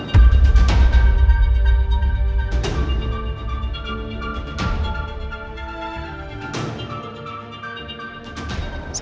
aku ngelak permintaan lu sa